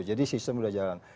jadi sistem sudah jalan